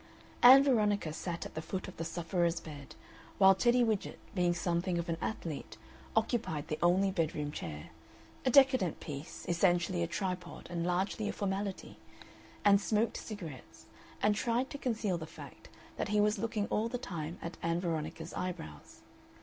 Ann Veronica sat at the foot of the sufferer's bed, while Teddy Widgett, being something of an athlete, occupied the only bed room chair a decadent piece, essentially a tripod and largely a formality and smoked cigarettes, and tried to conceal the fact that he was looking all the time at Ann Veronica's eyebrows.